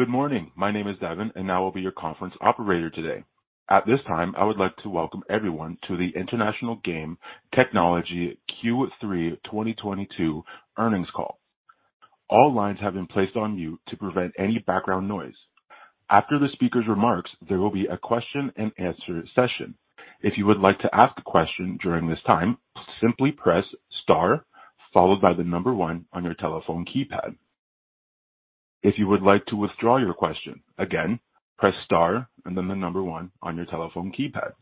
Good morning. My name is Devin, and I will be your conference operator today. At this time, I would like to welcome everyone to the International Game Technology Q3 2022 earnings call. All lines have been placed on mute to prevent any background noise. After the speaker's remarks, there will be a question-and-answer session. If you would like to ask a question during this time, simply press Star followed by the number One on your telephone keypad. If you would like to withdraw your question, again, press Star and then the number One on your telephone keypad.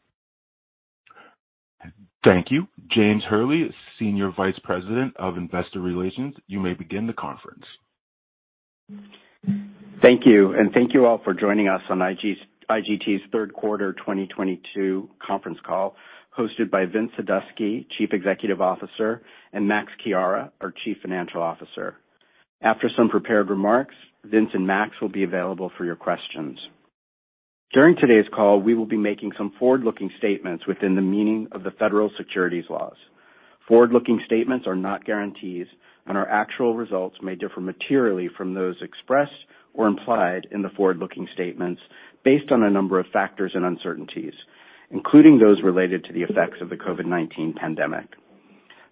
Thank you. James Hurley, Senior Vice President of Investor Relations, you may begin the conference. Thank you. Thank you all for joining us on IGT's third quarter 2022 conference call, hosted by Vince Sadusky, Chief Executive Officer, and Max Chiara, our Chief Financial Officer. After some prepared remarks, Vince and Max will be available for your questions. During today's call, we will be making some forward-looking statements within the meaning of the federal securities laws. Forward-looking statements are not guarantees, and our actual results may differ materially from those expressed or implied in the forward-looking statements based on a number of factors and uncertainties, including those related to the effects of the COVID-19 pandemic.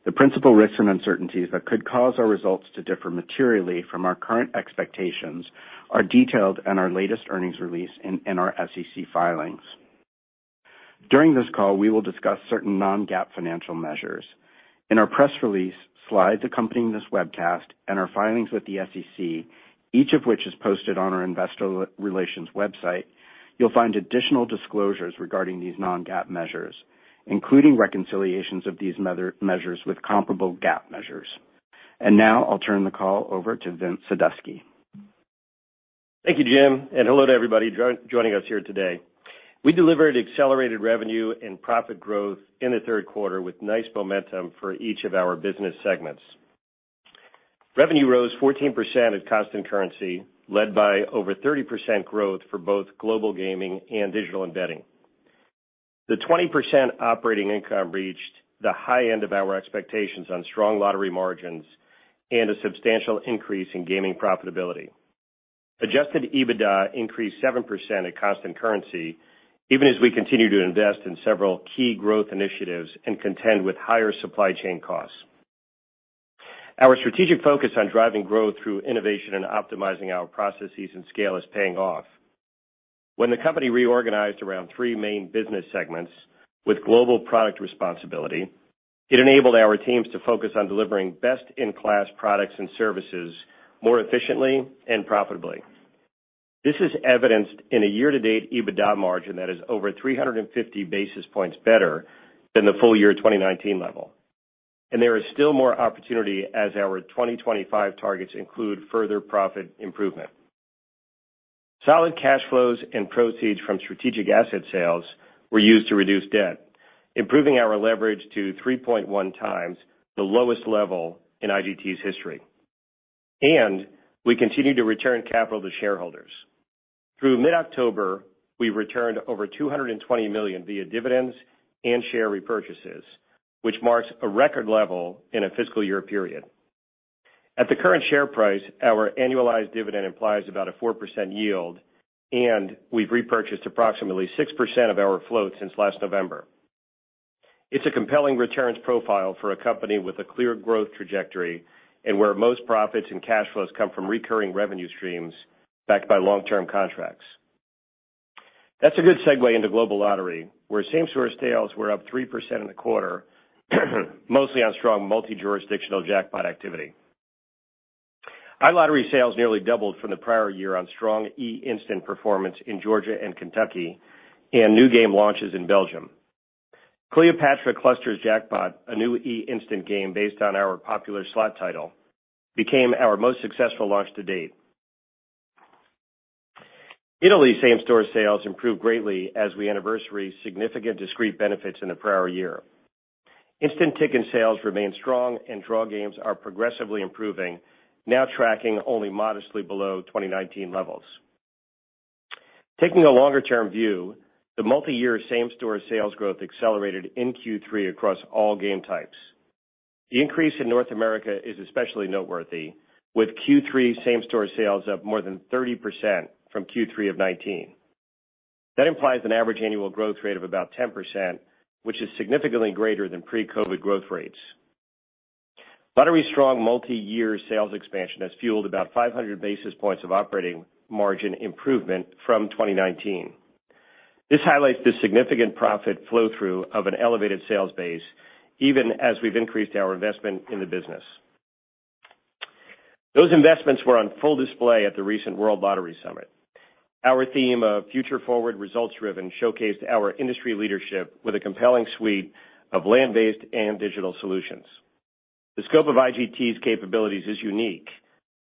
The principal risks and uncertainties that could cause our results to differ materially from our current expectations are detailed in our latest earnings release and in our SEC filings. During this call, we will discuss certain non-GAAP financial measures. In our press release, slides accompanying this webcast, and our filings with the SEC, each of which is posted on our investor relations website, you'll find additional disclosures regarding these non-GAAP measures, including reconciliations of these measures with comparable GAAP measures. Now I'll turn the call over to Vince Sadusky. Thank you, Jim, and hello to everybody joining us here today. We delivered accelerated revenue and profit growth in the third quarter with nice momentum for each of our business segments. Revenue rose 14% at constant currency, led by over 30% growth for both global gaming and digital and betting. The 20% operating income reached the high end of our expectations on strong lottery margins and a substantial increase in gaming profitability. Adjusted EBITDA increased 7% at constant currency, even as we continue to invest in several key growth initiatives and contend with higher supply chain costs. Our strategic focus on driving growth through innovation and optimizing our processes and scale is paying off. When the company reorganized around three main business segments with global product responsibility, it enabled our teams to focus on delivering best-in-class products and services more efficiently and profitably. This is evidenced in a year-to-date EBITDA margin that is over 350 basis points better than the full year 2019 level, and there is still more opportunity as our 2025 targets include further profit improvement. Solid cash flows and proceeds from strategic asset sales were used to reduce debt, improving our leverage to 3.1x the lowest level in IGT's history. We continue to return capital to shareholders. Through mid-October, we've returned over $220 million via dividends and share repurchases, which marks a record level in a fiscal year period. At the current share price, our annualized dividend implies about a 4% yield, and we've repurchased approximately 6% of our float since last November. It's a compelling returns profile for a company with a clear growth trajectory, and where most profits and cash flows come from recurring revenue streams backed by long-term contracts. That's a good segue into global lottery, where same-store sales were up 3% in the quarter, mostly on strong multi-jurisdictional jackpot activity. iLottery sales nearly doubled from the prior year on strong eInstant performance in Georgia and Kentucky and new game launches in Belgium. Cleopatra Clusters Jackpot, a new eInstant game based on our popular slot title, became our most successful launch to date. Italy same-store sales improved greatly as we anniversary significant discrete benefits in the prior year. Instant ticket sales remain strong, and draw games are progressively improving, now tracking only modestly below 2019 levels. Taking a longer-term view, the multiyear same-store sales growth accelerated in Q3 across all game types. The increase in North America is especially noteworthy, with Q3 same-store sales up more than 30% from Q3 of 2019. That implies an average annual growth rate of about 10%, which is significantly greater than pre-COVID growth rates. Lottery's strong multi-year sales expansion has fueled about 500 basis points of operating margin improvement from 2019. This highlights the significant profit flow-through of an elevated sales base, even as we've increased our investment in the business. Those investments were on full display at the recent World Lottery Summit. Our theme of future forward, results driven showcased our industry leadership with a compelling suite of land-based and digital solutions. The scope of IGT's capabilities is unique,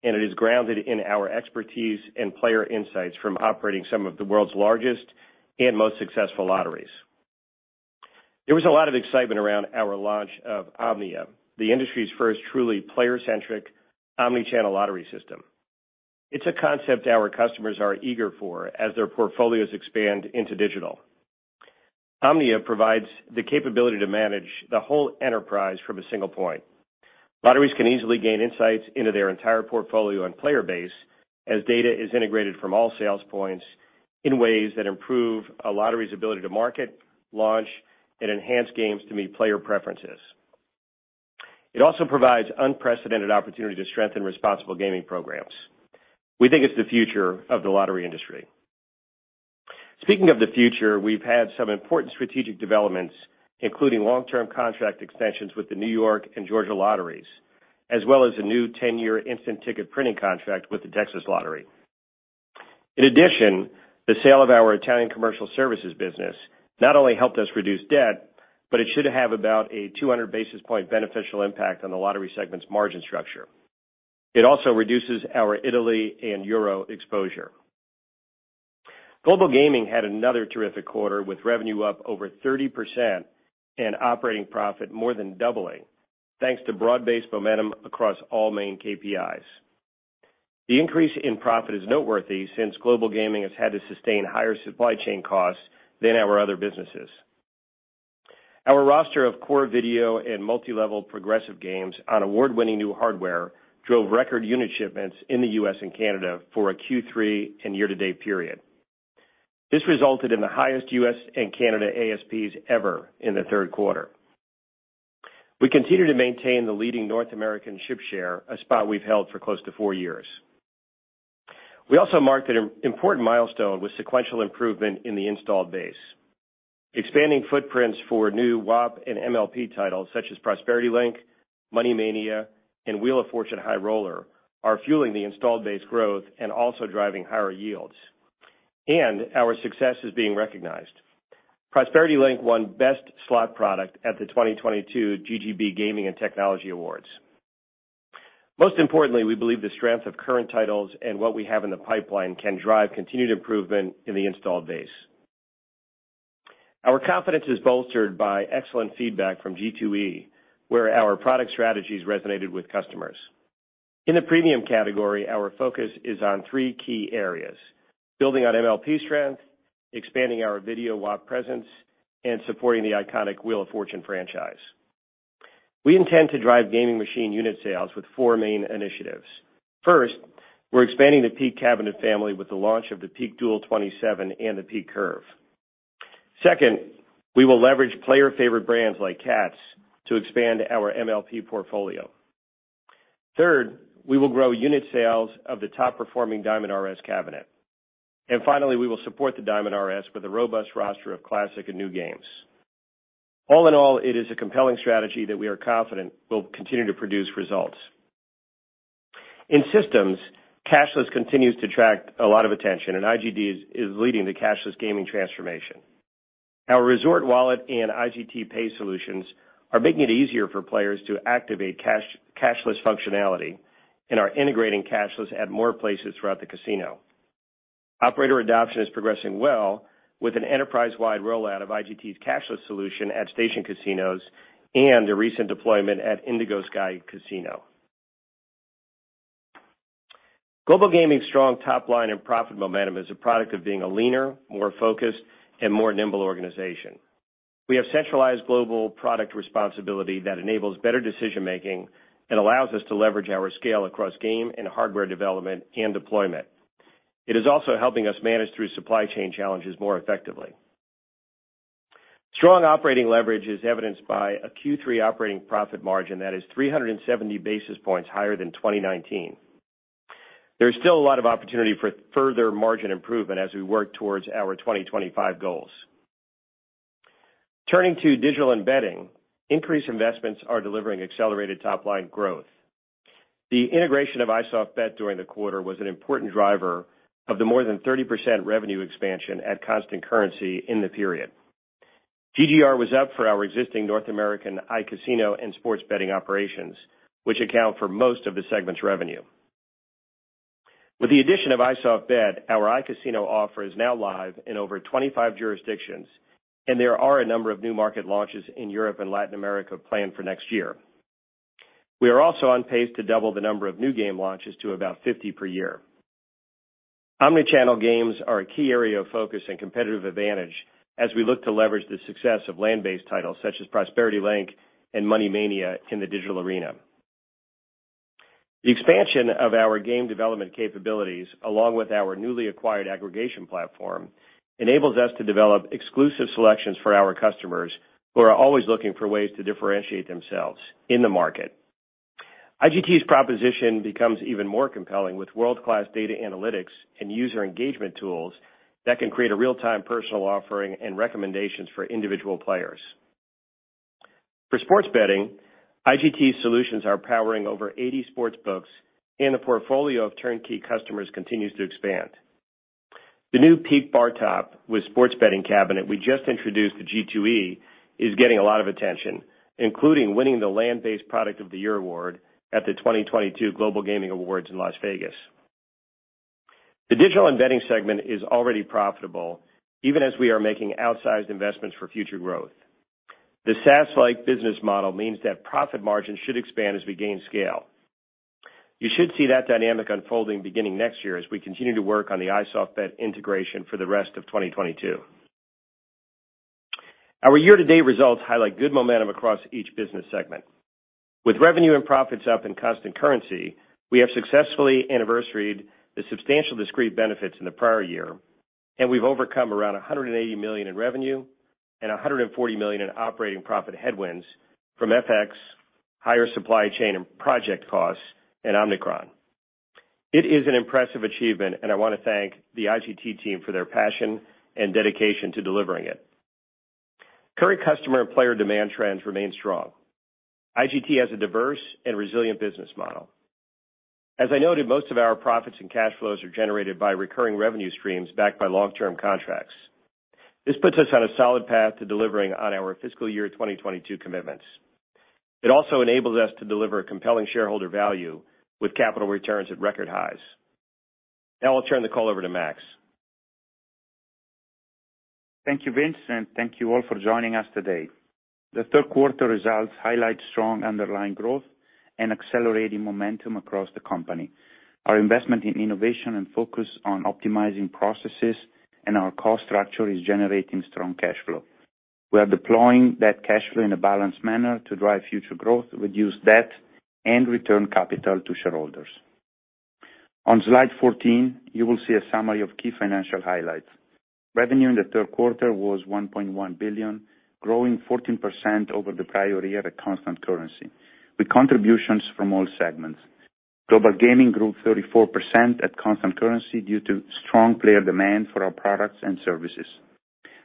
and it is grounded in our expertise and player insights from operating some of the world's largest and most successful lotteries. There was a lot of excitement around our launch of OMNIA, the industry's first truly player-centric omni-channel lottery system. It's a concept our customers are eager for as their portfolios expand into digital. OMNIA provides the capability to manage the whole enterprise from a single point. Lotteries can easily gain insights into their entire portfolio and player base as data is integrated from all sales points in ways that improve a lottery's ability to market, launch, and enhance games to meet player preferences. It also provides unprecedented opportunity to strengthen responsible gaming programs. We think it's the future of the lottery industry. Speaking of the future, we've had some important strategic developments, including long-term contract extensions with the New York Lottery and Georgia Lottery, as well as a new 10-year instant ticket printing contract with the Texas Lottery. In addition, the sale of our Italian commercial services business not only helped us reduce debt, but it should have about a 200 basis point beneficial impact on the lottery segment's margin structure. It also reduces our Italy and euro exposure. Global Gaming had another terrific quarter, with revenue up over 30% and operating profit more than doubling, thanks to broad-based momentum across all main KPIs. The increase in profit is noteworthy since Global Gaming has had to sustain higher supply chain costs than our other businesses. Our roster of core video and multi-level progressive games on award-winning new hardware drove record unit shipments in the U.S. and Canada for a Q3 and year-to-date period. This resulted in the highest U.S. and Canada ASPs ever in the third quarter. We continue to maintain the leading North American ship share, a spot we've held for close to four years. We also marked an important milestone with sequential improvement in the installed base. Expanding footprints for new WAP and MLP titles such as Prosperity Link, Money Mania, and Wheel of Fortune High Roller are fueling the installed base growth and also driving higher yields. Our success is being recognized. Prosperity Link won Best Slot Product at the 2022 GGB Gaming & Technology Awards. Most importantly, we believe the strength of current titles and what we have in the pipeline can drive continued improvement in the installed base. Our confidence is bolstered by excellent feedback from G2E, where our product strategies resonated with customers. In the premium category, our focus is on three key areas, building on MLP strength, expanding our video WAP presence, and supporting the iconic Wheel of Fortune franchise. We intend to drive gaming machine unit sales with four main initiatives. First, we're expanding the Peak cabinet family with the launch of the Peak Dual 27 and the Peak Curve. Second, we will leverage player favorite brands like Cats to expand our MLP portfolio. Third, we will grow unit sales of the top-performing DiamondRS cabinet. Finally, we will support the DiamondRS with a robust roster of classic and new games. All in all, it is a compelling strategy that we are confident will continue to produce results. In systems, cashless continues to attract a lot of attention, and IGT is leading the cashless gaming transformation. Our Resort Wallet and IGTPay solutions are making it easier for players to activate cashless functionality and are integrating cashless at more places throughout the casino. Operator adoption is progressing well with an enterprise-wide rollout of IGT's cashless solution at Station Casinos and a recent deployment at Indigo Sky Casino. Global Gaming's strong top-line and profit momentum is a product of being a leaner, more focused, and more nimble organization. We have centralized global product responsibility that enables better decision-making and allows us to leverage our scale across game and hardware development and deployment. It is also helping us manage through supply chain challenges more effectively. Strong operating leverage is evidenced by a Q3 operating profit margin that is 370 basis points higher than 2019. There is still a lot of opportunity for further margin improvement as we work towards our 2025 goals. Turning to digital and betting, increased investments are delivering accelerated top-line growth. The integration of iSoftBet during the quarter was an important driver of the more than 30% revenue expansion at constant currency in the period. GGR was up for our existing North American iCasino and sports betting operations, which account for most of the segment's revenue. With the addition of iSoftBet, our iCasino offer is now live in over 25 jurisdictions, and there are a number of new market launches in Europe and Latin America planned for next year. We are also on pace to double the number of new game launches to about 50 per year. Omnichannel games are a key area of focus and competitive advantage as we look to leverage the success of land-based titles such as Prosperity Link and Money Mania in the digital arena. The expansion of our game development capabilities, along with our newly acquired aggregation platform, enables us to develop exclusive selections for our customers, who are always looking for ways to differentiate themselves in the market. IGT's proposition becomes even more compelling with world-class data analytics and user engagement tools that can create a real-time personal offering and recommendations for individual players. For sports betting, IGT solutions are powering over 80 sports books, and the portfolio of turnkey customers continues to expand. The new Peak Bar Top with sports betting cabinet we just introduced to G2E is getting a lot of attention, including winning the Land-based Product of the Year award at the 2022 Global Gaming Awards in Las Vegas. The digital and betting segment is already profitable, even as we are making outsized investments for future growth. The SaaS-like business model means that profit margin should expand as we gain scale. You should see that dynamic unfolding beginning next year as we continue to work on the iSoftBet integration for the rest of 2022. Our year-to-date results highlight good momentum across each business segment. With revenue and profits up in constant currency, we have successfully anniversaried the substantial discrete benefits in the prior year, and we've overcome around $180 million in revenue and $140 million in operating profit headwinds from FX, higher supply chain and project costs and Omicron. It is an impressive achievement, and I wanna thank the IGT team for their passion and dedication to delivering it. Current customer and player demand trends remain strong. IGT has a diverse and resilient business model. As I noted, most of our profits and cash flows are generated by recurring revenue streams backed by long-term contracts. This puts us on a solid path to delivering on our fiscal year 2022 commitments. It also enables us to deliver compelling shareholder value with capital returns at record highs. Now I'll turn the call over to Max. Thank you, Vince, and thank you all for joining us today. The third quarter results highlight strong underlying growth and accelerating momentum across the company. Our investment in innovation and focus on optimizing processes and our cost structure is generating strong cash flow. We are deploying that cash flow in a balanced manner to drive future growth, reduce debt, and return capital to shareholders. On slide 14, you will see a summary of key financial highlights. Revenue in the third quarter was $1.1 billion, growing 14% over the prior year at constant currency, with contributions from all segments. Global gaming grew 34% at constant currency due to strong player demand for our products and services.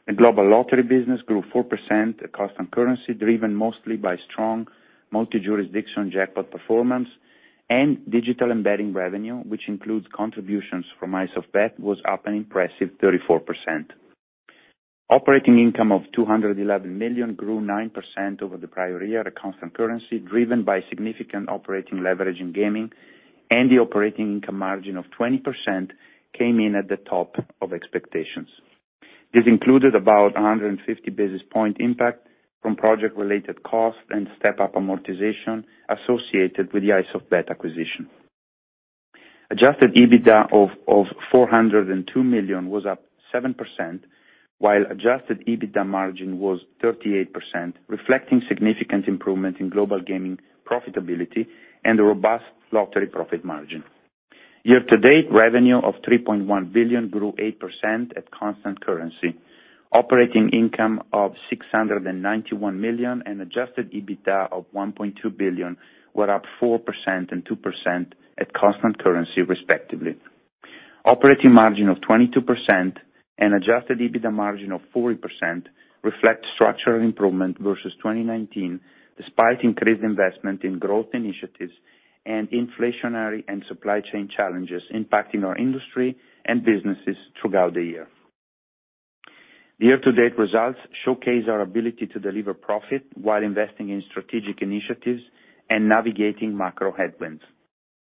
The global lottery business grew 4% at constant currency, driven mostly by strong multi-jurisdiction jackpot performance and digital embedding revenue, which includes contributions from iSoftBet, was up an impressive 34%. Operating income of $211 million grew 9% over the prior year at a constant currency, driven by significant operating leverage in gaming and the operating income margin of 20% came in at the top of expectations. This included about 150 basis point impact from project-related costs and step-up amortization associated with the iSoftBet acquisition. Adjusted EBITDA of $402 million was up 7%, while Adjusted EBITDA margin was 38%, reflecting significant improvement in global gaming profitability and a robust lottery profit margin. Year to date, revenue of $3.1 billion grew 8% at constant currency. Operating income of $691 million and Adjusted EBITDA of $1.2 billion were up 4% and 2% at constant currency, respectively. Operating margin of 22% and Adjusted EBITDA margin of 40% reflect structural improvement versus 2019, despite increased investment in growth initiatives and inflationary and supply chain challenges impacting our industry and businesses throughout the year. The year-to-date results showcase our ability to deliver profit while investing in strategic initiatives and navigating macro headwinds.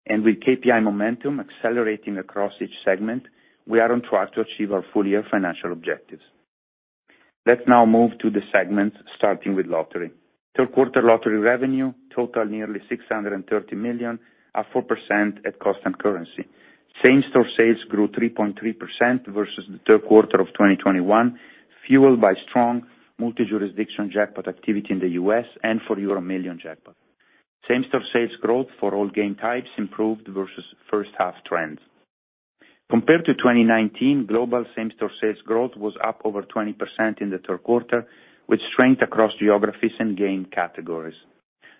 With KPI momentum accelerating across each segment, we are on track to achieve our full-year financial objectives. Let's now move to the segment, starting with lottery. Third quarter lottery revenue totaled nearly $630 million, up 4% at constant currency. Same-store sales grew 3.3% versus the third quarter of 2021, fueled by strong multi-jurisdiction jackpot activity in the U.S. and for EuroMillions jackpot. Same-store sales growth for all game types improved versus first half trends. Compared to 2019, global same-store sales growth was up over 20% in the third quarter, with strength across geographies and game categories.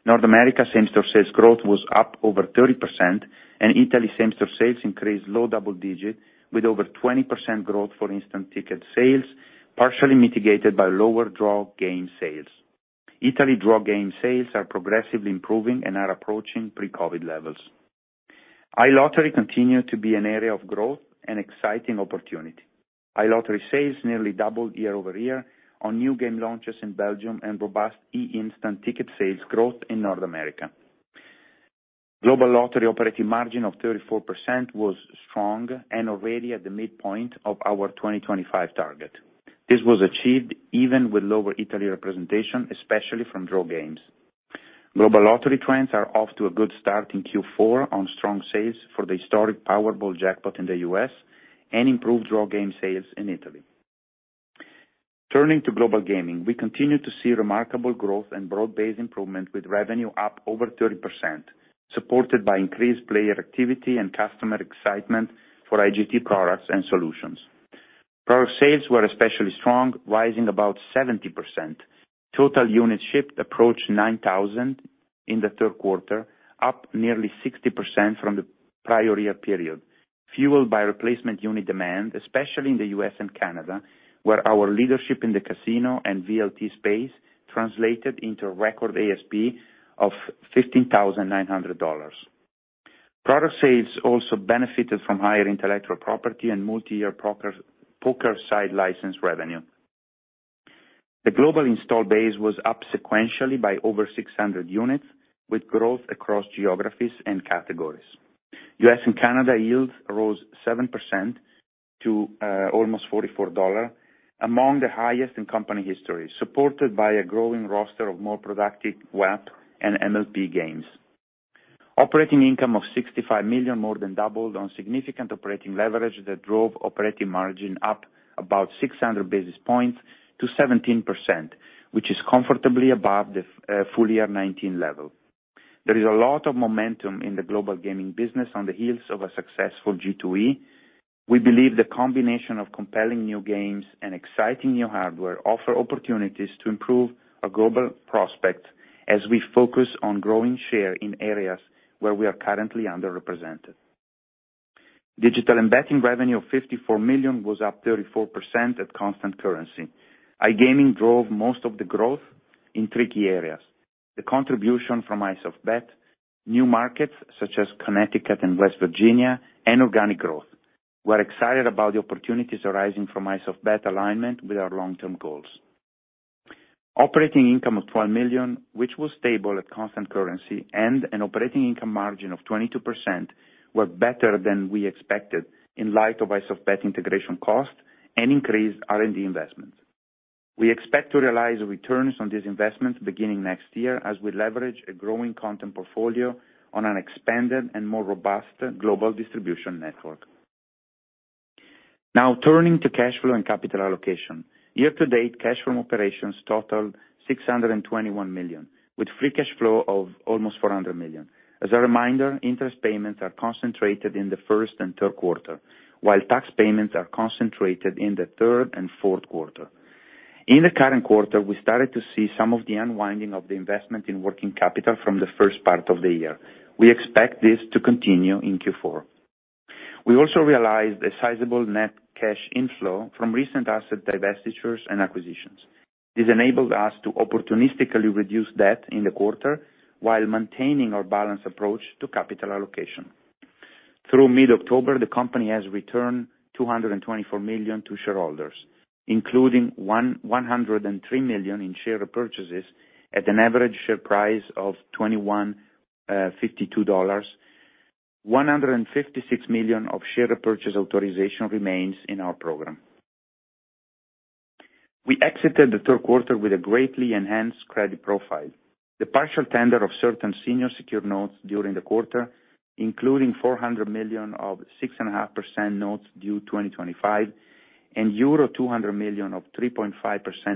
North America same-store sales growth was up over 30%, and Italy same-store sales increased low double digit, with over 20% growth for instant ticket sales, partially mitigated by lower draw game sales. Italy draw game sales are progressively improving and are approaching pre-COVID levels. iLottery continued to be an area of growth and exciting opportunity. iLottery sales nearly doubled year-over-year on new game launches in Belgium and robust eInstant ticket sales growth in North America. Global lottery operating margin of 34% was strong and already at the midpoint of our 2025 target. This was achieved even with lower Italy representation, especially from draw games. Global lottery trends are off to a good start in Q4 on strong sales for the historic Powerball jackpot in the U.S. and improved draw game sales in Italy. Turning to global gaming, we continue to see remarkable growth and broad-based improvement with revenue up over 30%, supported by increased player activity and customer excitement for IGT products and solutions. Product sales were especially strong, rising about 70%. Total units shipped approached 9,000 in the third quarter, up nearly 60% from the prior year period, fueled by replacement unit demand, especially in the U.S. and Canada, where our leadership in the casino and VLT space translated into a record ASP of $15,900. Product sales also benefited from higher intellectual property and multiyear poker site license revenue. The global install base was up sequentially by over 600 units, with growth across geographies and categories. U.S. and Canada yields rose 7% to almost $44, among the highest in company history, supported by a growing roster of more productive web and MLP games. Operating income of $65 million more than doubled on significant operating leverage that drove operating margin up about 600 basis points to 17%, which is comfortably above the full-year 2019 level. There is a lot of momentum in the global gaming business on the heels of a successful G2E. We believe the combination of compelling new games and exciting new hardware offer opportunities to improve our global prospect as we focus on growing share in areas where we are currently underrepresented. Digital and betting revenue of $54 million was up 34% at constant currency. iGaming drove most of the growth in tricky areas. The contribution from iSoftBet, new markets such as Connecticut and West Virginia, and organic growth. We're excited about the opportunities arising from iSoftBet alignment with our long-term goals. Operating income of $12 million, which was stable at constant currency and an operating income margin of 22%, were better than we expected in light of iSoftBet integration costs and increased R&D investments. We expect to realize returns on this investment beginning next year as we leverage a growing content portfolio on an expanded and more robust global distribution network. Now turning to cash flow and capital allocation. Year to date, cash from operations totaled $621 million, with free cash flow of almost $400 million. As a reminder, interest payments are concentrated in the first and third quarter, while tax payments are concentrated in the third and fourth quarter. In the current quarter, we started to see some of the unwinding of the investment in working capital from the first part of the year. We expect this to continue in Q4. We also realized a sizable net cash inflow from recent asset divestitures and acquisitions. This enabled us to opportunistically reduce debt in the quarter while maintaining our balanced approach to capital allocation. Through mid-October, the company has returned $224 million to shareholders, including $103 million in share purchases at an average share price of $21.52. $156 million of share purchase authorization remains in our program. We exited the third quarter with a greatly enhanced credit profile. The partial tender of certain senior secured notes during the quarter, including $400 million of 6.5% notes due 2025 and euro 200 million of 3.5%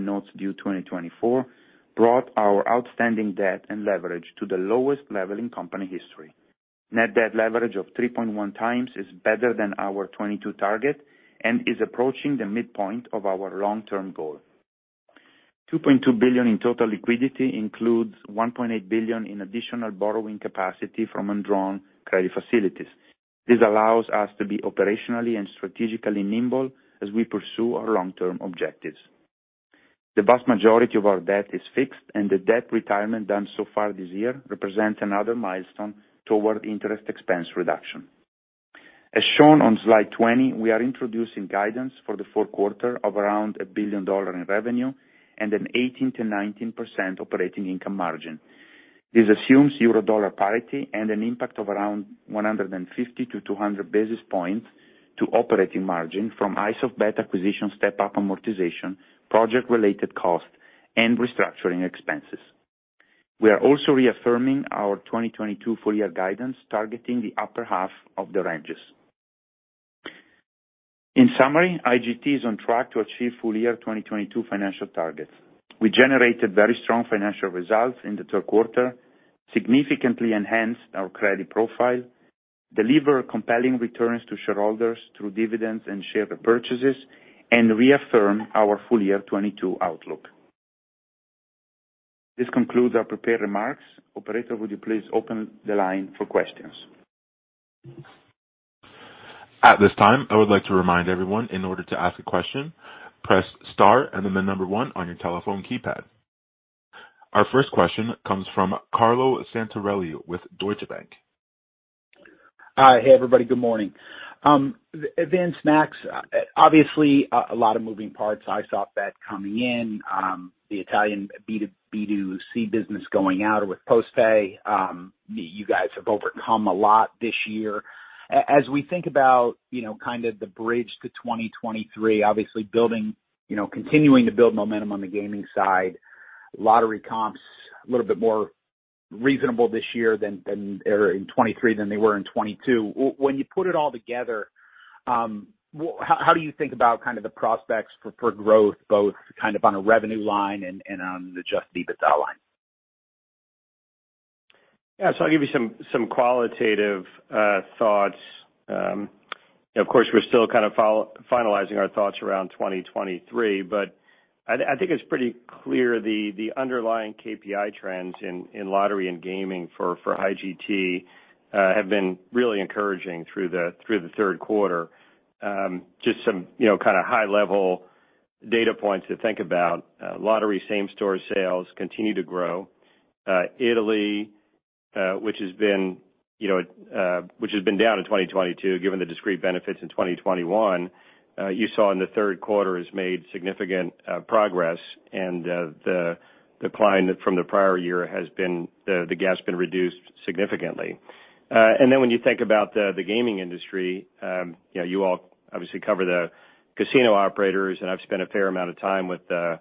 notes due 2024, brought our outstanding debt and leverage to the lowest level in company history. Net debt leverage of 3.1x is better than our 22 target and is approaching the midpoint of our long-term goal. $2.2 billion in total liquidity includes $1.8 billion in additional borrowing capacity from undrawn credit facilities. This allows us to be operationally and strategically nimble as we pursue our long-term objectives. The vast majority of our debt is fixed, and the debt retirement done so far this year represents another milestone toward interest expense reduction. As shown on slide 20, we are introducing guidance for the fourth quarter of around $1 billion in revenue and an 18%-19% operating income margin. This assumes Euro-dollar parity and an impact of around 150-200 basis points to operating margin from iSoftBet acquisition step-up amortization, project-related cost, and restructuring expenses. We are also reaffirming our 2022 full-year guidance targeting the upper half of the ranges. In summary, IGT is on track to achieve full-year 2022 financial targets. We generated very strong financial results in the third quarter, significantly enhanced our credit profile, deliver compelling returns to shareholders through dividends and share purchases, and reaffirm our full year 2022 outlook. This concludes our prepared remarks. Operator, would you please open the line for questions? At this time, I would like to remind everyone in order to ask a question, press Star and then the number One on your telephone keypad. Our first question comes from Carlo Santarelli with Deutsche Bank. Hey, everybody. Good morning. Vince, Max, obviously a lot of moving parts, iSoftBet coming in, the Italian B2C business going out with PostePay. You guys have overcome a lot this year. As we think about, you know, kind of the bridge to 2023, obviously building, you know, continuing to build momentum on the gaming side, lottery comps a little bit more reasonable in 2023 than they were in 2022. When you put it all together, how do you think about kind of the prospects for growth, both kind of on a revenue line and on the Adjusted EBITDA line? I'll give you some qualitative thoughts. Of course, we're still kind of finalizing our thoughts around 2023, but I think it's pretty clear the underlying KPI trends in lottery and gaming for IGT have been really encouraging through the third quarter. Just some, you know, kind of high-level data points to think about. Lottery same-store sales continue to grow. Italy which has been, you know, down in 2022, given the discrete benefits in 2021, you saw in the third quarter has made significant progress and the decline from the prior year, the gap's been reduced significantly. Then when you think about the gaming industry, you know, you all obviously cover the casino operators, and I've spent a fair amount of time with the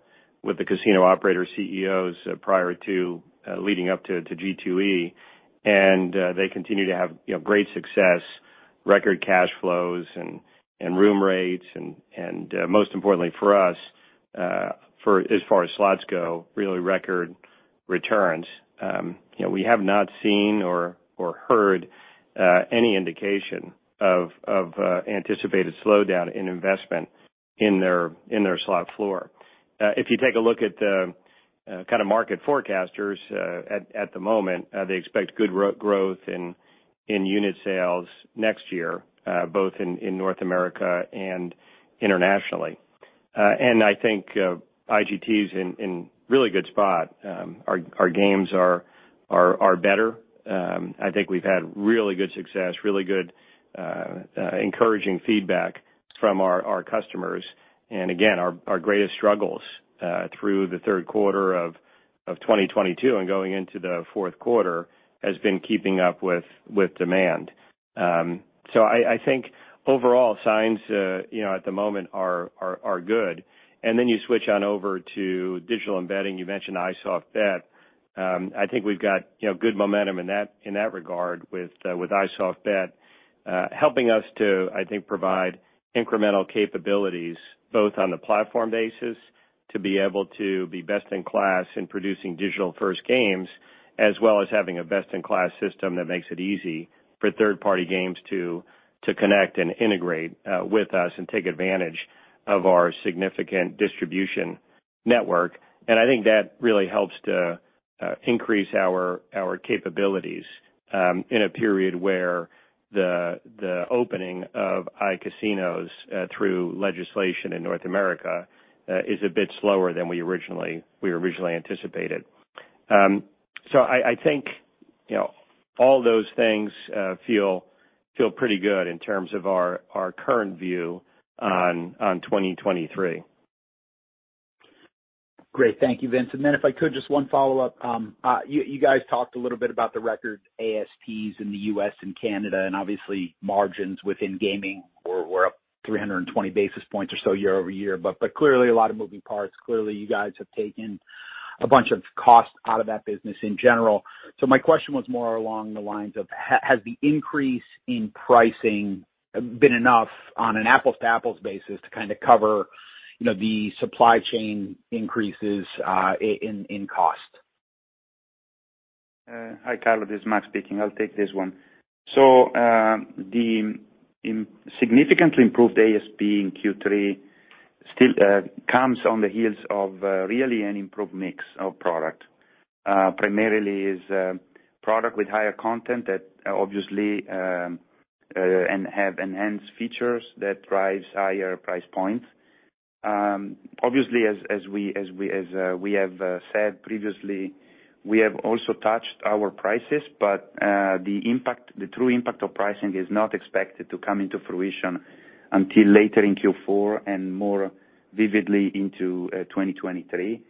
casino operator CEOs prior to leading up to G2E. They continue to have, you know, great success, record cash flows and room rates. Most importantly for us, for as far as slots go, really record returns. You know, we have not seen or heard any indication of anticipated slowdown in investment in their slot floor. If you take a look at the kind of market forecasters at the moment, they expect good growth in unit sales next year, both in North America and internationally. I think IGT's in really good spot. Our games are better. I think we've had really good success, really good encouraging feedback from our customers. Again, our greatest struggles through the third quarter of 2022 and going into the fourth quarter has been keeping up with demand. I think overall signs you know at the moment are good. Then you switch on over to digital gaming. You mentioned iSoftBet. I think we've got, you know, good momentum in that regard with iSoftBet helping us to, I think, provide incremental capabilities, both on the platform basis to be able to be best in class in producing digital-first games, as well as having a best-in-class system that makes it easy for third-party games to connect and integrate with us and take advantage of our significant distribution network. I think that really helps to increase our capabilities in a period where the opening of iCasinos through legislation in North America is a bit slower than we originally anticipated. I think, you know, all those things feel pretty good in terms of our current view on 2023. Great. Thank you, Vince. If I could, just one follow-up. You guys talked a little bit about the record ASPs in the U.S. and Canada, and obviously margins within gaming were up 320 basis points or so year-over-year. Clearly a lot of moving parts. Clearly, you guys have taken a bunch of costs out of that business in general. My question was more along the lines of has the increase in pricing been enough on an apples to apples basis to kind of cover, you know, the supply chain increases in cost? Hi, Carlo. This is Max speaking. I'll take this one. So, the significantly improved ASP in Q3 still comes on the heels of really an improved mix of product. Primarily, it's product with higher content that obviously have enhanced features that drives higher price points. Obviously, as we have said previously, we have also touched our prices, but the impact, the true impact of pricing is not expected to come into fruition until later in Q4 and more vividly into 2023.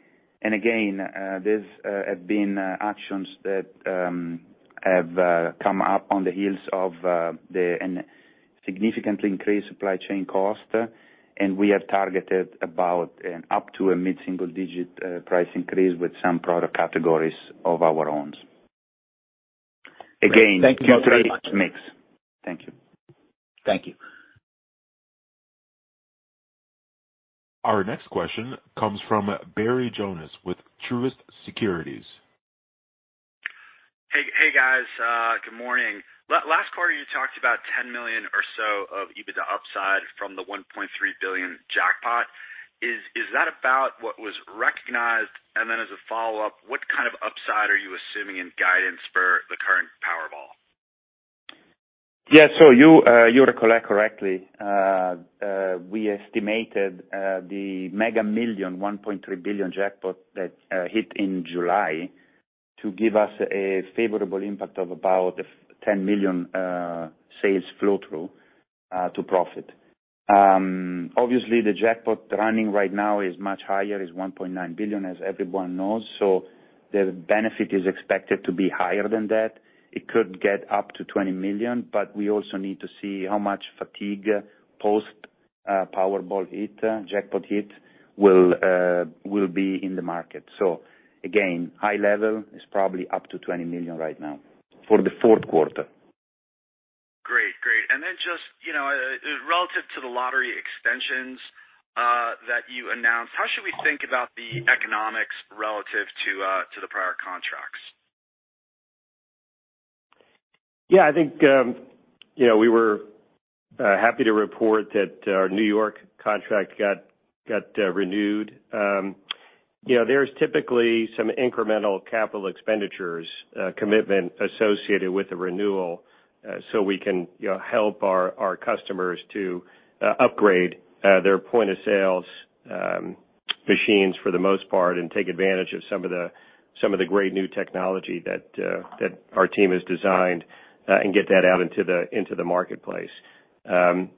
Again, there have been actions that have come up on the heels of significantly increased supply chain cost. We have targeted about up to a mid-single digit price increase with some product categories of our own. Again- Thank you very much. Q3 mix. Thank you. Thank you. Our next question comes from Barry Jonas with Truist Securities. Good morning. Last quarter, you talked about $10 million or so of EBITDA upside from the $1.3 billion jackpot. Is that about what was recognized? As a follow-up, what kind of upside are you assuming in guidance for the current Powerball? You recall it correctly. We estimated the Mega Millions $1.3 billion jackpot that hit in July to give us a favorable impact of about $10 million sales flow-through to profit. The jackpot running right now is much higher. It's $1.9 billion, as everyone knows. The benefit is expected to be higher than that. It could get up to $20 million, but we also need to see how much fatigue post Powerball hit, jackpot hit will be in the market. Again, high level is probably up to $20 million right now for the fourth quarter. Great. Just, you know, relative to the lottery extensions that you announced, how should we think about the economics relative to the prior contracts? Yeah, I think, you know, we were happy to report that our New York contract got renewed. You know, there's typically some incremental capital expenditures commitment associated with the renewal, so we can, you know, help our customers to upgrade their point of sales machines for the most part, and take advantage of some of the great new technology that our team has designed, and get that out into the marketplace. On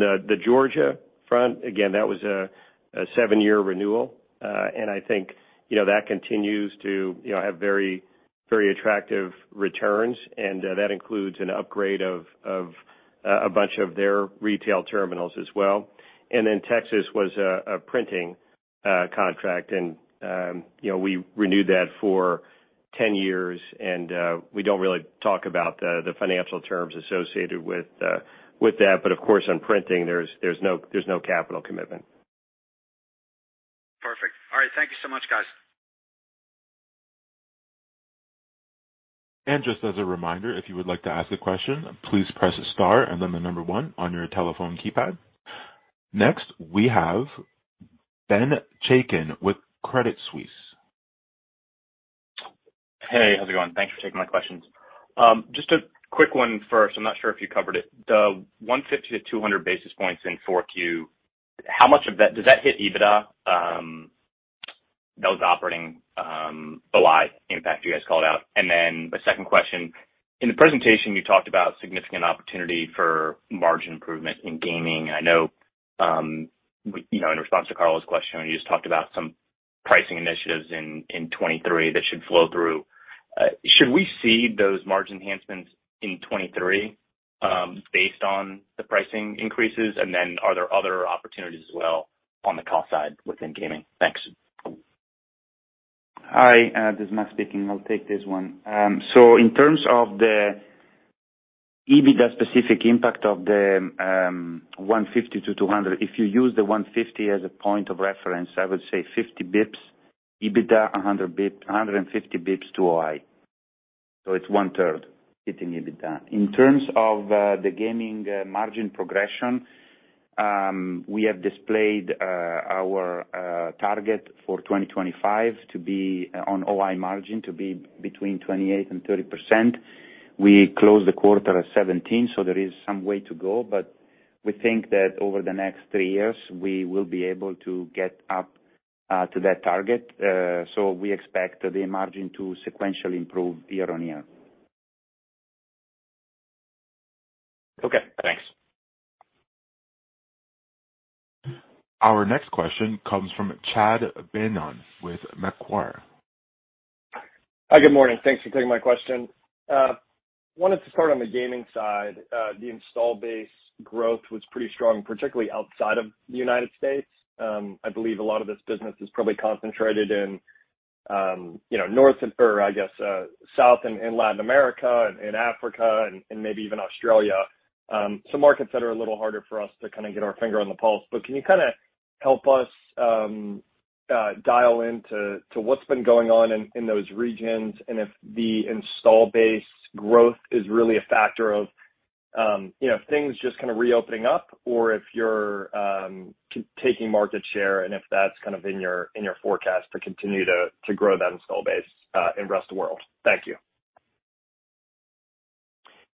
the Georgia front, again, that was a seven-year renewal. I think, you know, that continues to, you know, have very attractive returns, and that includes an upgrade of a bunch of their retail terminals as well. Texas was a printing contract and you know, we renewed that for 10 years. We don't really talk about the financial terms associated with that. Of course, on printing there's no capital commitment. Perfect. All right. Thank you so much, guys. Just as a reminder, if you would like to ask a question, please press Star and then the number One on your telephone keypad. Next, we have Ben Chaiken with Credit Suisse. Hey, how's it going? Thanks for taking my questions. Just a quick one first. I'm not sure if you covered it. The 150-200 basis points in 4Q, how much of that does that hit EBITDA? That was operating OI impact you guys called out. Then the second question, in the presentation you talked about significant opportunity for margin improvement in gaming. I know, you know, in response to Carlo's question, you just talked about some pricing initiatives in 2023 that should flow through. Should we see those margin enhancements in 2023, based on the pricing increases? Then are there other opportunities as well on the cost side within gaming? Thanks. Hi, this is Max speaking. I'll take this one. In terms of the EBITDA specific impact of the $150-$200, if you use the 150 as a point of reference, I would say 50 basis points EBITDA, 150 basis points to OI. It's 1/3 hitting EBITDA. In terms of the gaming margin progression, we have displayed our target for 2025 OI margin to be between 28% and 30%. We closed the quarter at 17%, so there is some way to go, but we think that over the next three years, we will be able to get up to that target. We expect the margin to sequentially improve year-on-year. Okay, thanks. Our next question comes from Chad Beynon with Macquarie. Hi, good morning. Thanks for taking my question. Wanted to start on the gaming side. The install base growth was pretty strong, particularly outside of the United States. I believe a lot of this business is probably concentrated in, you know, north or, I guess, south in Latin America and in Africa and maybe even Australia. Some markets that are a little harder for us to kind of get our finger on the pulse. Can you kind of help us dial into what's been going on in those regions and if the install base growth is really a factor of, you know, things just kind of reopening up or if you're taking market share, and if that's kind of in your forecast to continue to grow that install base in rest of world. Thank you.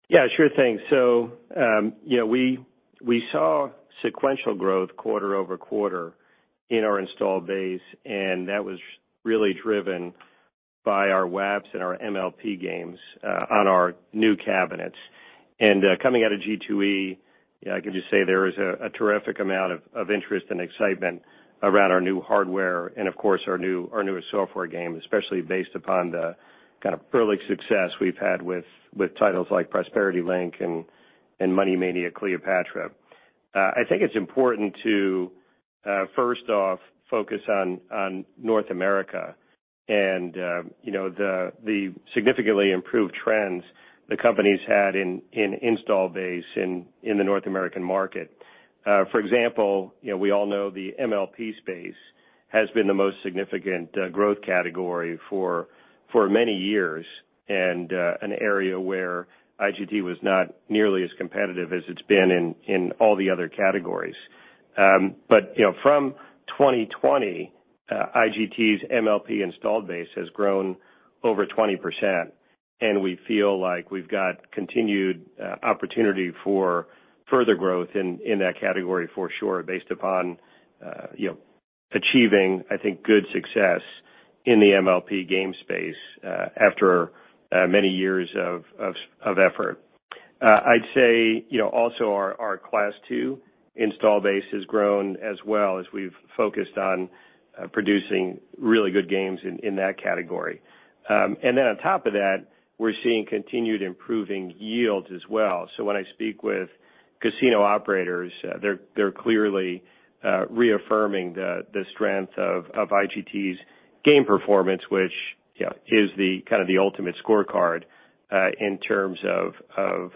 Yeah, sure thing. So, you know, we saw sequential growth quarter-over-quarter in our installed base, and that was really driven by our WAPs and our MLP games on our new cabinets. Coming out of G2E, I can just say there is a terrific amount of interest and excitement around our new hardware and of course, our newest software game, especially based upon the kind of early success we've had with titles like Prosperity Link and Money Mania Cleopatra. I think it's important to first off focus on North America and you know, the significantly improved trends the company's had in install base in the North American market. For example, you know, we all know the MLP space has been the most significant growth category for many years and an area where IGT was not nearly as competitive as it's been in all the other categories. You know, from 2020, IGT's MLP installed base has grown over 20%, and we feel like we've got continued opportunity for further growth in that category for sure, based upon you know, achieving, I think, good success in the MLP game space after many years of effort. I'd say, you know, also our Class II install base has grown as well as we've focused on producing really good games in that category. Then on top of that, we're seeing continued improving yields as well. When I speak with casino operators, they're clearly reaffirming the strength of IGT's game performance which, you know, is kind of the ultimate scorecard in terms of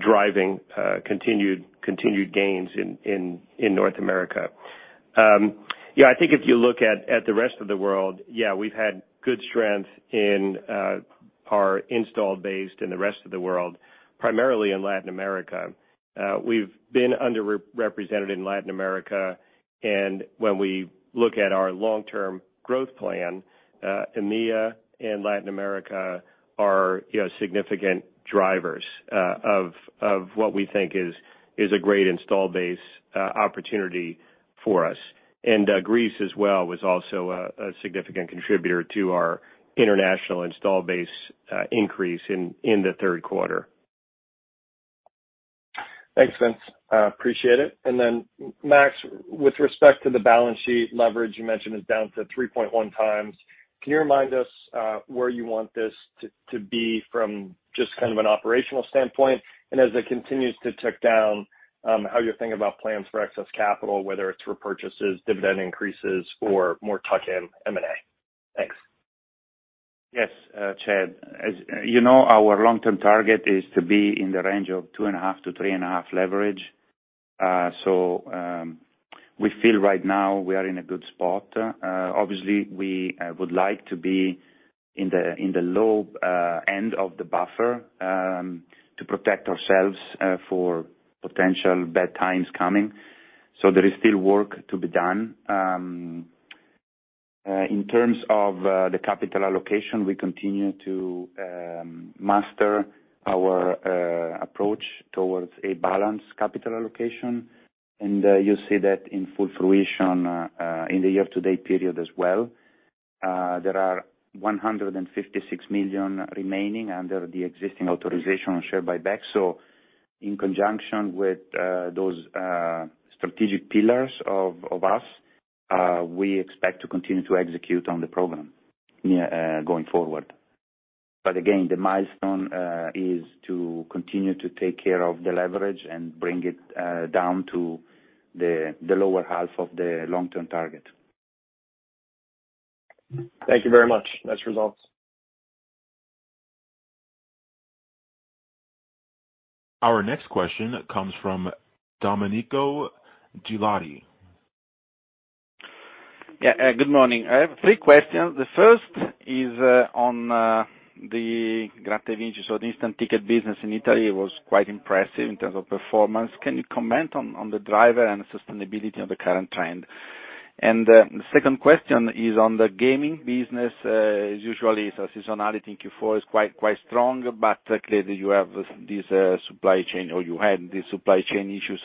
driving continued gains in North America. I think if you look at the rest of the world, we've had good strength in our installed base in the rest of the world, primarily in Latin America. We've been underrepresented in Latin America, and when we look at our long-term growth plan, EMEA and Latin America are, you know, significant drivers of what we think is a great install base opportunity for us. Greece as well was also a significant contributor to our international install base increase in the third quarter. Thanks, Vince. I appreciate it. Max, with respect to the balance sheet leverage you mentioned is down to 3.1x. Can you remind us where you want this to be from just kind of an operational standpoint? As it continues to tick down, how you're thinking about plans for excess capital, whether it's repurchases, dividend increases or more tuck-in M&A? Thanks. Yes, Chad. As you know, our long-term target is to be in the range of 2.5-3.5 leverage. We feel right now we are in a good spot. Obviously we would like to be in the low end of the buffer to protect ourselves for potential bad times coming. There is still work to be done. In terms of the capital allocation, we continue to master our approach towards a balanced capital allocation. You see that in full fruition in the year to date period as well. There are $156 million remaining under the existing authorization on share buyback. In conjunction with those strategic pillars of us, we expect to continue to execute on the program going forward. Again, the milestone is to continue to take care of the leverage and bring it down to the lower half of the long-term target. Thank you very much. Nice results. Our next question comes from Domenico Ghilotti. Yeah, good morning. I have three questions. The first is on the Gratta E Vinci, so the instant ticket business in Italy was quite impressive in terms of performance. Can you comment on the driver and sustainability of the current trend? The second question is on the gaming business. As usual the seasonality in Q4 is quite strong, but clearly you have this supply chain or you had this supply chain issue.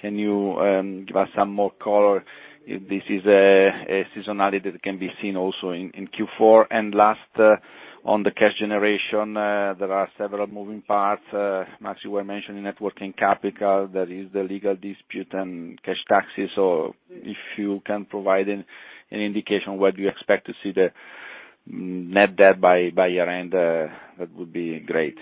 Can you give us some more color if this is a seasonality that can be seen also in Q4? Last, on the cash generation, there are several moving parts. Max, you were mentioning working capital, there is the legal dispute and cash taxes. If you can provide an indication where you expect to see the net debt by year-end, that would be great.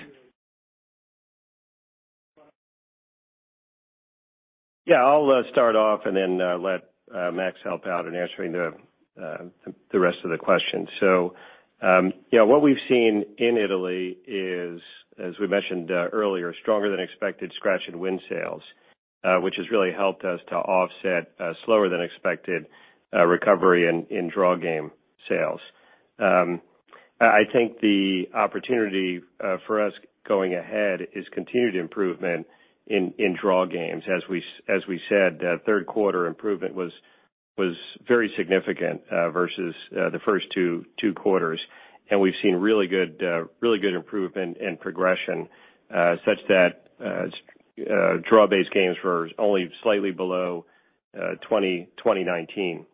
Yeah, I'll start off and then let Max help out in answering the rest of the question. What we've seen in Italy is, as we mentioned earlier, stronger than expected scratch and win sales, which has really helped us to offset slower than expected recovery in draw game sales. I think the opportunity for us going ahead is continued improvement in draw games. As we said, third quarter improvement was very significant versus the first two quarters. We've seen really good improvement and progression such that draw-based games were only slightly below 2019.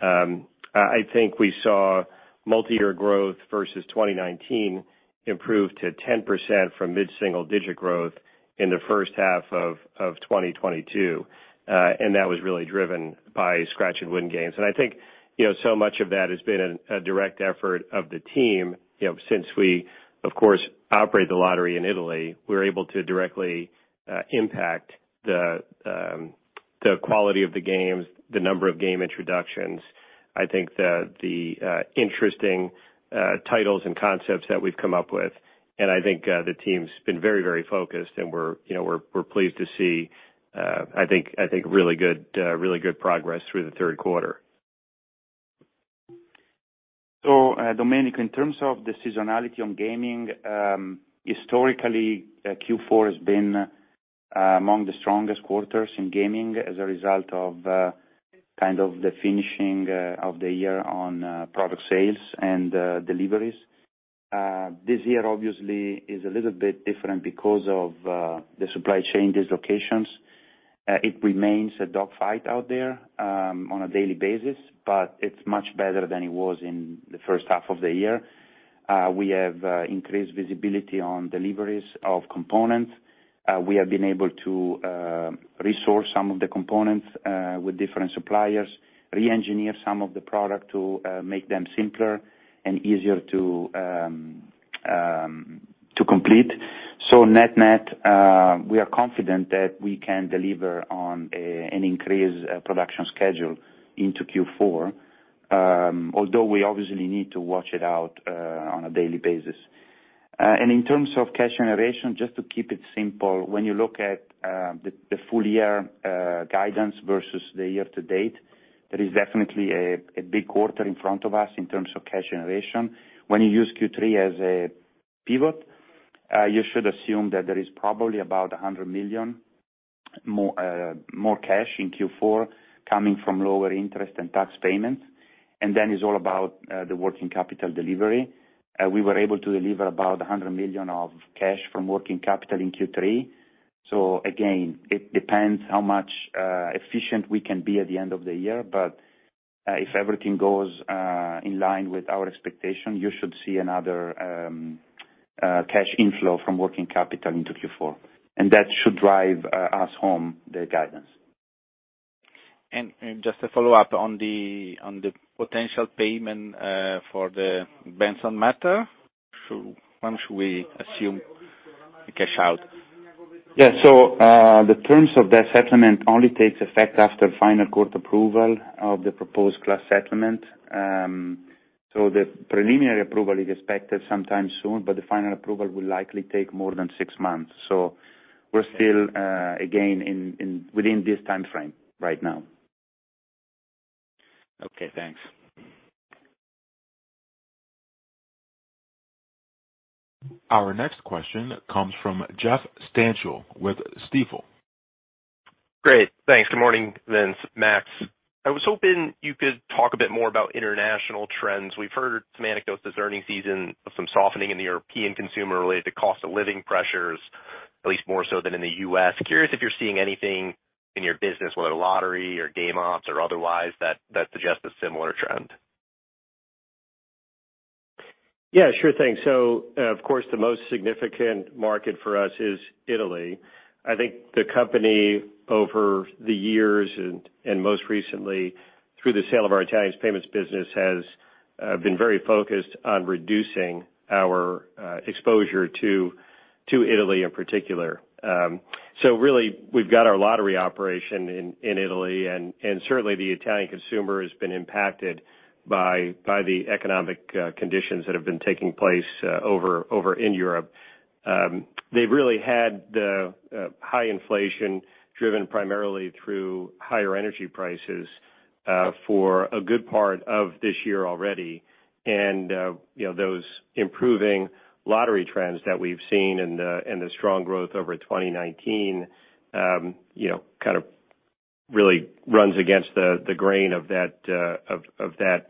I think we saw multiyear growth versus 2019 improve to 10% from mid-single-digit growth in the first half of 2022. That was really driven by scratch and win games. I think, you know, so much of that has been a direct effort of the team. You know, since we of course operate the lottery in Italy, we're able to directly impact the quality of the games, the number of game introductions. I think the interesting titles and concepts that we've come up with, and I think the team's been very focused and we're, you know, we're pleased to see, I think really good progress through the third quarter. Domenico, in terms of the seasonality on gaming, historically, Q4 has been among the strongest quarters in gaming as a result of kind of the finishing of the year on product sales and deliveries. This year obviously is a little bit different because of the supply chain dislocations. It remains a dog fight out there on a daily basis, but it's much better than it was in the first half of the year. We have increased visibility on deliveries of components. We have been able to resource some of the components with different suppliers, re-engineer some of the product to make them simpler and easier to complete. Net-net, we are confident that we can deliver on an increased production schedule into Q4, although we obviously need to watch it out on a daily basis. In terms of cash generation, just to keep it simple, when you look at the full year guidance versus the year to date, there is definitely a big quarter in front of us in terms of cash generation. When you use Q3 as a pivot, you should assume that there is probably about $100 million more cash in Q4 coming from lower interest and tax payments. Then it's all about the working capital delivery. We were able to deliver about $100 million of cash from working capital in Q3. Again, it depends how much efficient we can be at the end of the year, but if everything goes in line with our expectation, you should see another cash inflow from working capital into Q4. That should drive us home the guidance. Just a follow-up on the potential payment for the Benson matter. When should we assume the cash out? Yeah. The terms of that settlement only takes effect after final court approval of the proposed class settlement. The preliminary approval is expected sometime soon, but the final approval will likely take more than six months. We're still again within this timeframe right now. Okay, thanks. Our next question comes from Jeff Stantial with Stifel. Great. Thanks. Good morning, Vince, Max. I was hoping you could talk a bit more about international trends. We've heard some anecdotes this earnings season of some softening in the European consumer related to cost of living pressures, at least more so than in the U.S. Curious if you're seeing anything in your business, whether lottery or game ops or otherwise that suggests a similar trend? Yeah, sure thing. Of course, the most significant market for us is Italy. I think the company over the years and most recently through the sale of our Italian payments business has been very focused on reducing our exposure to Italy in particular. Really we've got our lottery operation in Italy and certainly the Italian consumer has been impacted by the economic conditions that have been taking place over in Europe. They've really had the high inflation driven primarily through higher energy prices for a good part of this year already. You know, those improving lottery trends that we've seen in the strong growth over 2019 you know kind of really runs against the grain of that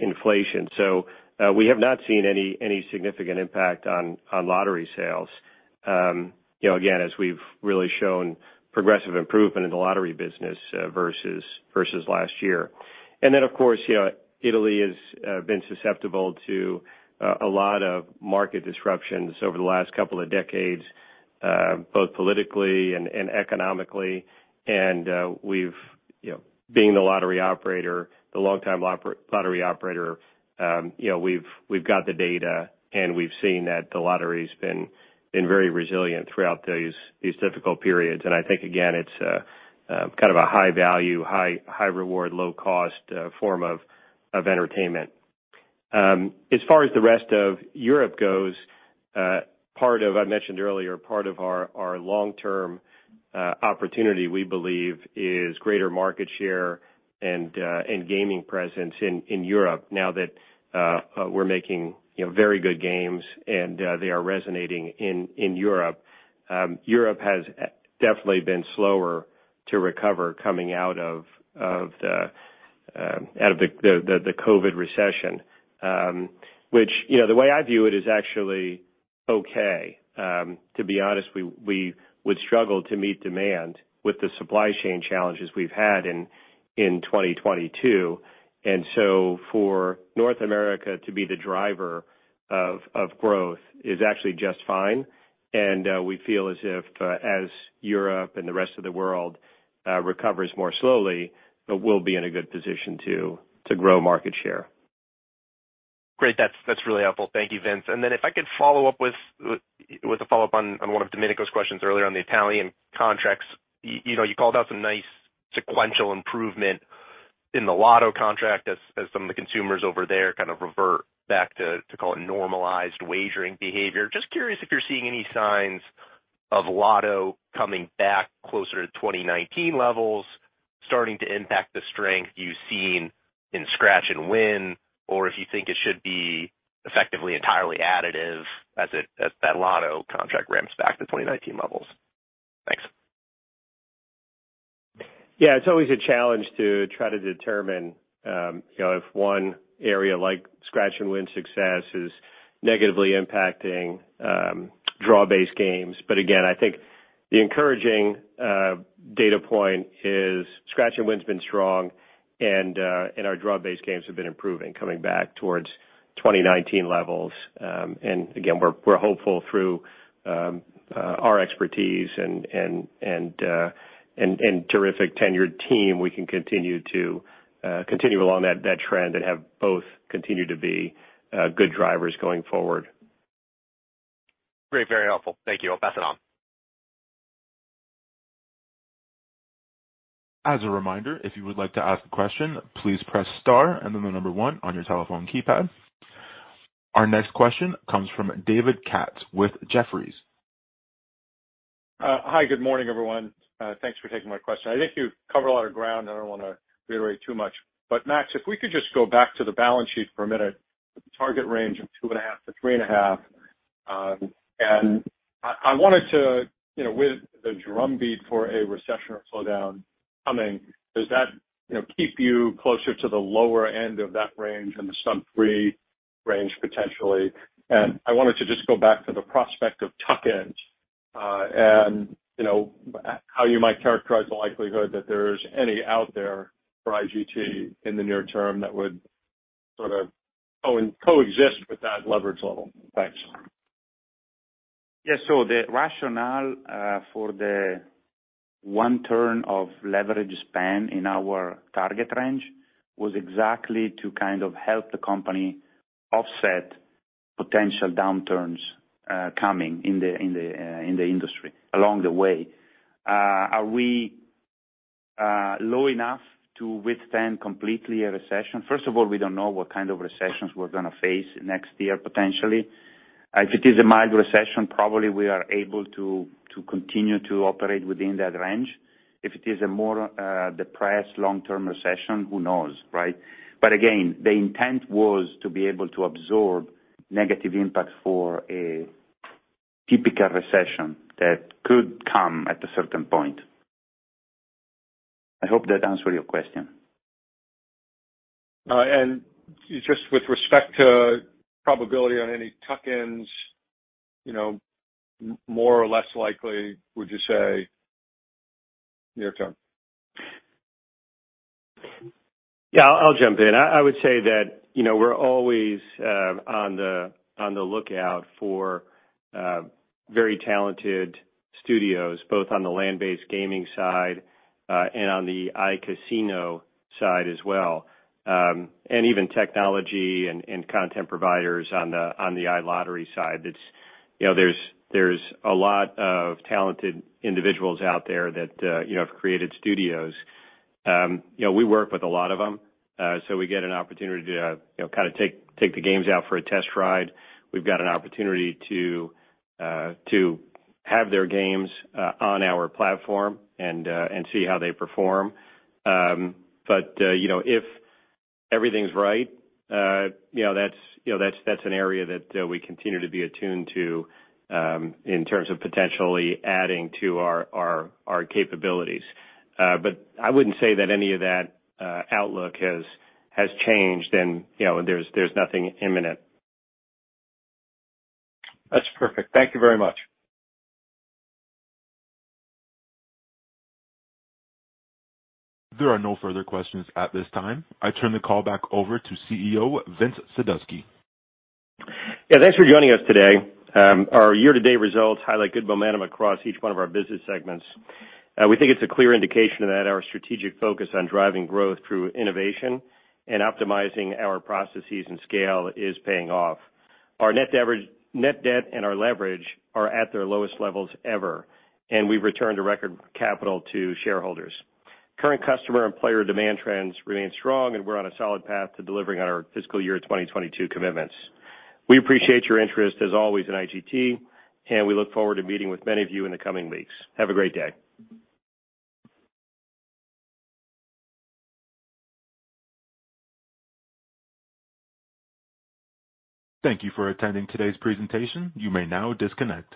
inflation. We have not seen any significant impact on lottery sales. You know, again, as we've really shown progressive improvement in the lottery business versus last year. Of course, you know, Italy has been susceptible to a lot of market disruptions over the last couple of decades both politically and economically. We've you know, being the longtime lottery operator, you know, we've got the data, and we've seen that the lottery's been very resilient throughout these difficult periods. I think again, it's kind of a high value, high reward, low cost form of entertainment. As far as the rest of Europe goes. Part of our long-term opportunity, we believe, is greater market share and gaming presence in Europe now that we're making, you know, very good games and they are resonating in Europe. Europe has definitely been slower to recover coming out of the COVID-19 recession. Which, you know, the way I view it is actually okay. To be honest, we would struggle to meet demand with the supply chain challenges we've had in 2022. We feel as if, as Europe and the rest of the world recovers more slowly, it will be in a good position to grow market share. Great. That's really helpful. Thank you, Vince. If I could follow up with a follow-up on one of Domenico's questions earlier on the Italian contracts. You know, you called out some nice sequential improvement in the lotto contract as some of the consumers over there kind of revert back to call it normalized wagering behavior. Just curious if you're seeing any signs of Lotto coming back closer to 2019 levels starting to impact the strength you've seen in scratch and win, or if you think it should be effectively entirely additive as it as that lotto contract ramps back to 2019 levels. Thanks. Yeah, it's always a challenge to try to determine, you know, if one area like scratch-and-win success is negatively impacting draw-based games. Again, I think the encouraging data point is scratch-and-win's been strong and our draw-based games have been improving coming back towards 2019 levels. Again, we're hopeful through our expertise and terrific tenured team, we can continue along that trend and have both continue to be good drivers going forward. Great. Very helpful. Thank you. I'll pass it on. As a reminder, if you would like to ask a question, please press star and then the number one on your telephone keypad. Our next question comes from David Katz with Jefferies. Hi. Good morning, everyone. Thanks for taking my question. I think you've covered a lot of ground. I don't wanna reiterate too much. Max, if we could just go back to the balance sheet for a minute, the target range of 2.5-3.5. I wanted to, you know, with the drumbeat for a recession or slowdown coming, does that, you know, keep you closer to the lower end of that range and the Sunk three range potentially? I wanted to just go back to the prospect of tuck-ins, and, you know, how you might characterize the likelihood that there's any out there for IGT in the near term that would sort of coexist with that leverage level. Thanks. Yeah. The rationale for the one turn of leverage span in our target range was exactly to kind of help the company offset potential downturns coming in the industry along the way. Are we low enough to withstand completely a recession? First of all, we don't know what kind of recessions we're gonna face next year, potentially. If it is a mild recession, probably we are able to continue to operate within that range. If it is a more depressed long-term recession, who knows, right? Again, the intent was to be able to absorb negative impacts for a typical recession that could come at a certain point. I hope that answered your question. Just with respect to probability on any tuck-ins, you know, more or less likely, would you say near term? Yeah, I'll jump in. I would say that, you know, we're always on the lookout for very talented studios, both on the land-based gaming side and on the iCasino side as well, and even technology and content providers on the iLottery side. It's, you know, there's a lot of talented individuals out there that, you know, have created studios. You know, we work with a lot of them, so we get an opportunity to, you know, kind of take the games out for a test ride. We've got an opportunity to have their games on our platform and see how they perform. You know, if everything's right, you know, that's an area that we continue to be attuned to in terms of potentially adding to our capabilities. I wouldn't say that any of that outlook has changed and, you know, there's nothing imminent. That's perfect. Thank you very much. There are no further questions at this time. I turn the call back over to CEO Vince Sadusky. Yeah, thanks for joining us today. Our year-to-date results highlight good momentum across each one of our business segments. We think it's a clear indication that our strategic focus on driving growth through innovation and optimizing our processes and scale is paying off. Our net debt and our leverage are at their lowest levels ever, and we've returned a record capital to shareholders. Current customer and player demand trends remain strong, and we're on a solid path to delivering on our fiscal year 2022 commitments. We appreciate your interest, as always, in IGT, and we look forward to meeting with many of you in the coming weeks. Have a great day. Thank you for attending today's presentation. You may now disconnect.